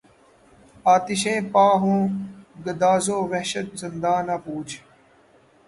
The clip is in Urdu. آتشیں پا ہوں گداز وحشت زنداں نہ پوچھ